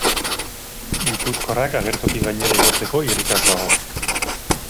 Gipuzkoarrak agertoki gainera igotzeko irrikaz dago.